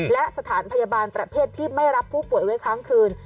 และสถานพยาบาลประเภทที่ไม่รับผู้ป่วยไว้ค้างคืน